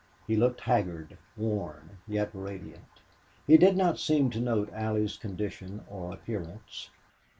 He looked haggard, worn, yet radiant. He did not seem to note Allie's condition or appearance.